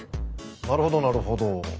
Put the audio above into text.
なるほどなるほど。